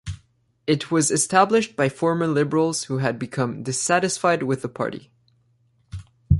It was established by former Liberals who had become dissatisfied with the party.